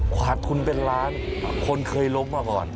ขาดทุนเป็นล้านคนเคยล้มมาก่อน